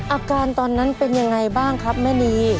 อาการตอนนั้นเป็นยังไงบ้างครับแม่นี